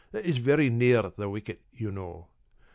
That is very near the wicket, you know.